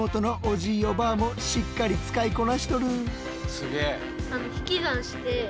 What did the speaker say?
すげえ。